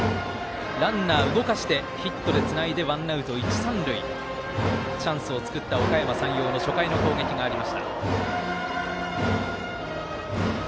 ランナー、動かしてヒットでつないでチャンスを作ったおかやま山陽の初回の攻撃がありました。